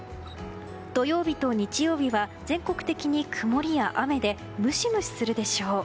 土曜日と日曜日は全国的に曇りや雨でムシムシするでしょう。